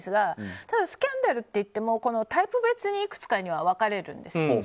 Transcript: ただ、スキャンダルといってもタイプ別にいくつかには分かれるんです。